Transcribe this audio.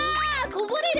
こぼれる！